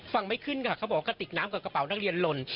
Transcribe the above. ไม่ขึ้นค่ะเขาบอกว่ากระติกน้ำกับกระเป๋านักเรียนหล่น